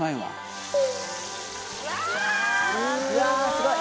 すごい！